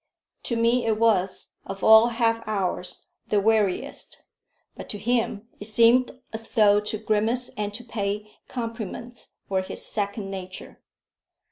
To me it was of all half hours the weariest, but to him it seemed as though to grimace and to pay compliments were his second nature.